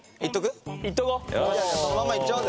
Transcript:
じゃあそのまま行っちゃおうぜ。